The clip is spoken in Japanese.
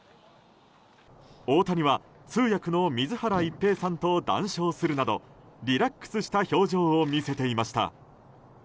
大谷は通訳の水原一平さんと談笑するなどリラックスした表情を見せていました。